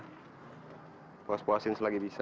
hai puas puasin selagi bisa